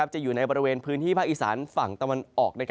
อยู่ในบริเวณพื้นที่ภาคอีสานฝั่งตะวันออก